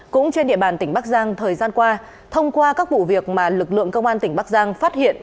cũng trên địa bàn tỉnh bắc giang thời gian qua thông qua các vụ việc mà lực lượng công an tỉnh bắc giang phát hiện